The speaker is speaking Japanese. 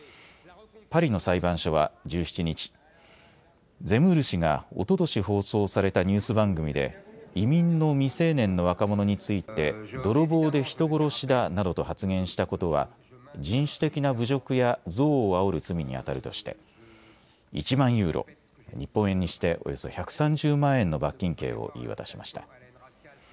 パリの裁判所は１７日、ゼムール氏がおととし放送されたニュース番組で移民の未成年の若者について泥棒で人殺しだなどと発言したことは人種的な侮辱や憎悪をあおる罪にあたるとして１万ユーロ、日本円にしておよそ１３０万円の罰金刑を言い渡しました。